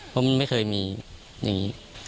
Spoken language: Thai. เพราะมันไม่เคยมีอย่างนี้